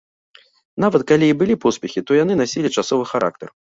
Нават калі і былі поспехі, то яны насілі часовы характар.